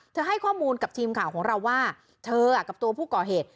ให้ข้อมูลกับทีมข่าวของเราว่าเธอกับตัวผู้ก่อเหตุ